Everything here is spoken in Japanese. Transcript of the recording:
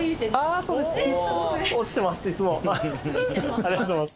ありがとうございます。